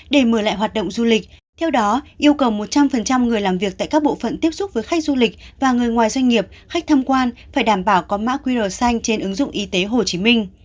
để mở lại hoạt động du lịch theo đó yêu cầu một trăm linh người làm việc tại các bộ phận tiếp xúc với khách du lịch và người ngoài doanh nghiệp khách tham quan phải đảm bảo có mã qr xanh trên ứng dụng y tế hồ chí minh